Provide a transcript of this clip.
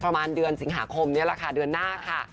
ประมาณเดือนสิงหาคมเดือนหน้าค่ะ